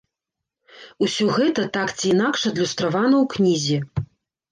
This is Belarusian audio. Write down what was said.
Усё гэта так ці інакш адлюстравана ў кнізе.